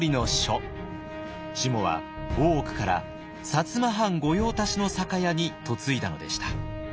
しもは大奥から薩摩藩御用達の酒屋に嫁いだのでした。